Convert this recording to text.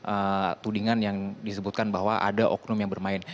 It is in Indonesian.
ada tudingan yang disebutkan bahwa ada oknum yang bermain